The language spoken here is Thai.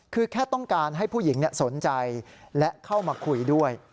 คือแค่ต้องการให้ผู้หญิงสนใจและเข้ามาคุยด้วย